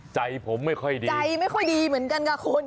ใจผมไม่ค่อยดีใจไม่ค่อยดีเหมือนกันค่ะคุณ